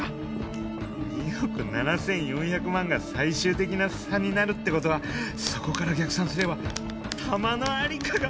２億 ７，４００ 万が最終的な差になるってことはそこから逆算すれば弾の在りかが分かる！